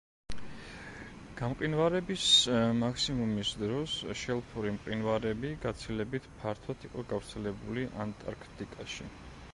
გამყინვარების მაქსიმუმის დროს შელფური მყინვარები გაცილებით ფართოდ იყო გავრცელებული ანტარქტიკაში.